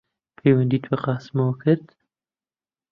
پەیوەندیت بە قاسمەوە کرد؟